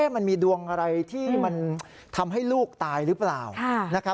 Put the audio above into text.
มันมีดวงอะไรที่มันทำให้ลูกตายหรือเปล่า